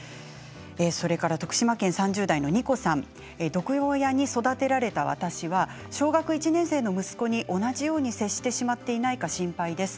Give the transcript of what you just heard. それから徳島県３０代の方毒親に育てられた私は小学１年生の息子に同じように接してしまっていないか心配です。